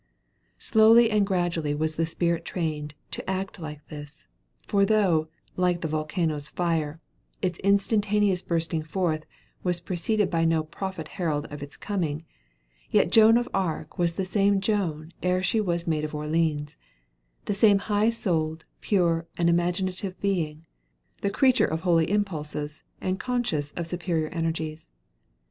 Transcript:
Slowly and gradually was the spirit trained to an act like this; for though, like the volcano's fire, its instantaneous bursting forth was preceded by no prophet herald of its coming yet Joan of Arc was the same Joan ere she was maid of Orleans; the same high souled, pure and imaginative being, the creature of holy impulses, and conscious of superior energies.